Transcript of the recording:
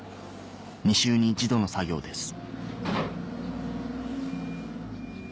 ２週に１度の作業です